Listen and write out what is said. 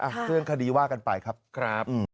เรื่องคดีว่ากันไปครับ